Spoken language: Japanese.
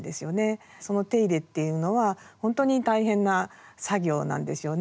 その手入れっていうのは本当に大変な作業なんですよね。